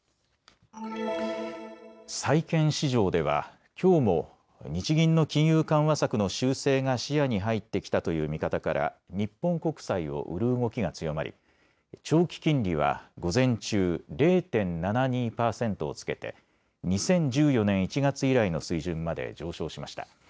債券市場ではきょうも日銀の金融緩和策の修正が視野に入ってきたという見方から日本国債を売る動きが強まり長期金利は午前中、０．７２％をつけて２０１４年１月以来の水準まで上昇しました。